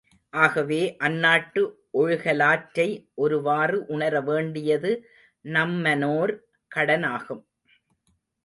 ஆகவே, அந்நாட்டு ஒழுகலாற்றை ஒருவாறு உணரவேண்டியது நம்மனோர் கடனாகும்.